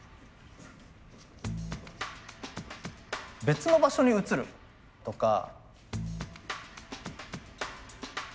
別の場所に移るとか。